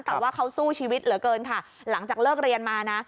แต่ว่าเขาสู้ชีวิตเหลือเกินค่ะหลังจากเลิกเรียนมานะ